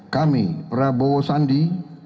kami prabowo sandi